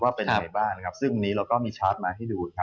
เป็นยังไงบ้างนะครับซึ่งวันนี้เราก็มีชาร์จมาให้ดูครับ